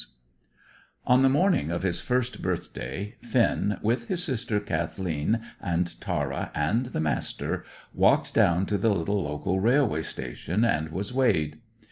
On the morning of his first birthday, Finn, with his sister Kathleen and Tara and the Master, walked down to the little local railway station and was weighed.